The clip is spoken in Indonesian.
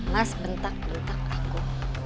mas bentak bentak aku